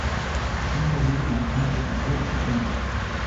Seigneurie d'un comte de Gourcy-Pagny.